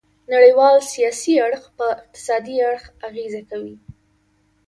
نړیوال سیاسي اړخ په اقتصادي اړخ اغیزه کوي